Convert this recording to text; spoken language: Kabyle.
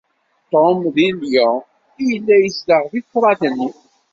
Tom deg Lyon i yella yezdeɣ deg ṭṭraḍ-nni.